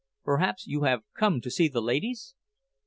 "Perhaps you have come to see the ladies?"